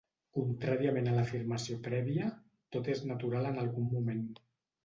Contràriament a l'afirmació prèvia, tot és natural en algun moment.